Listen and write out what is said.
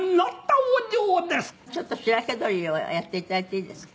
「ちょっと『しらけ鳥』をやって頂いていいですか？」